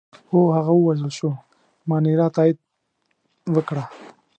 هو، هغه ووژل شو، مانیرا تایید وکړه.